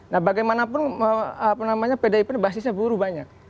nah bagaimanapun pdip basisnya buruh banyak